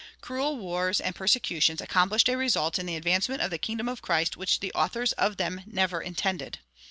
Cruel wars and persecutions accomplished a result in the advancement of the kingdom of Christ which the authors of them never intended.